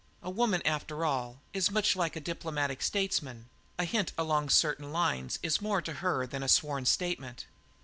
A woman, after all, is much like a diplomatic statesman; a hint along certain lines is more to her than a sworn statement.